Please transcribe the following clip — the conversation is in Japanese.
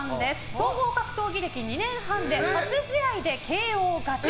総合格闘技歴２年半で初試合でＫＯ勝ち。